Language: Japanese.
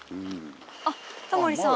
あっタモリさん。